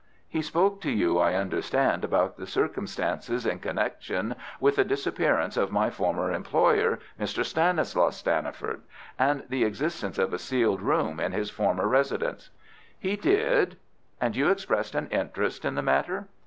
"He spoke to you, I understand, about the circumstances in connection with the disappearance of my former employer, Mr. Stanislaus Stanniford, and the existence of a sealed room in his former residence." "He did." "And you expressed an interest in the matter."